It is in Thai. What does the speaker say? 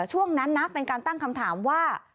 ช่วงนั้นนะเป็นการตั้งคำถามว่า